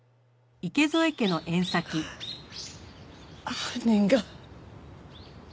犯人が。